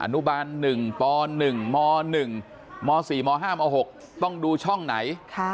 นุบาล๑ป๑ม๑ม๔ม๕ม๖ต้องดูช่องไหน